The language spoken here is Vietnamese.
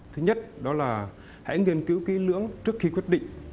thứ nhất đó là hãy nghiên cứu kỹ lưỡng trước khi quyết định